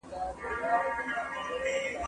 زه به اوږده موده خبري کړې وم!؟